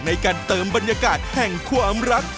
ในการเติมบรรยากาศแห่งความรัก